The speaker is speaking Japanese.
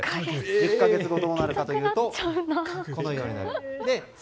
１０か月後、どうなるかというとこうなります。